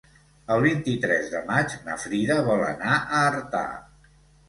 El vint-i-tres de maig na Frida vol anar a Artà.